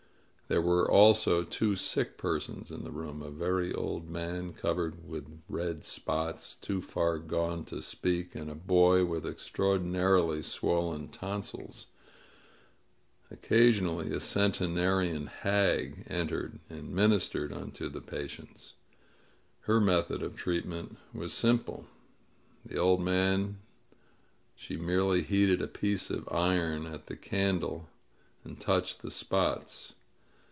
There were also two sick persons in the room — a very old man covered with red spots, too far gone to speak, and a boy with extraordinarily swollen tonsils. Occasionally a cen tenarian hag entered and ministered unto the patients. Her method of treatment was simple. With the old man she merely heated a piece of iron at the candle and touched the spots.